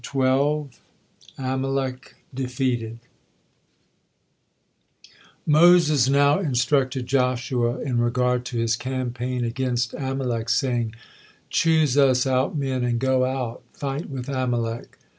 AMALEK DEFEATED Moses now instructed Joshua in regard to his campaign against Amalek, saying, "Choose us out men and go out, fight with Amalek."